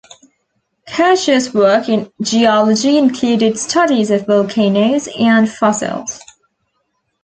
Kircher's work in geology included studies of volcanoes and fossils.